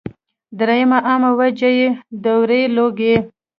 دريمه عامه وجه ئې دوړې ، لوګي